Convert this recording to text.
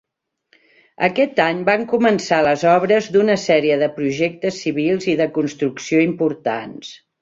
Aquest any van començar les obres d'una sèrie de projectes civils i de construcció importants.